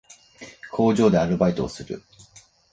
工場でアルバイトをする